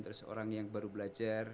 terus orang yang baru belajar